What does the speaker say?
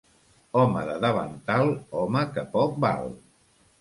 Home de davantal, home que poc val.